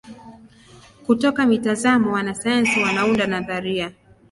Kutoka mitazamo wanasayansi wanaunda nadharia.